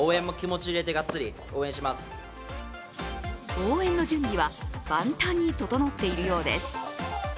応援の準備は万端に整っているようです。